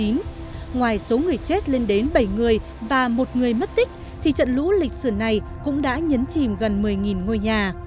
ngoài số người chết lên đến bảy người và một người mất tích thì trận lũ lịch sử này cũng đã nhấn chìm gần một mươi ngôi nhà